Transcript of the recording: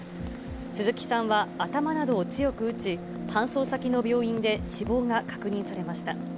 鈴木さんは頭などを強く打ち、搬送先の病院で死亡が確認されました。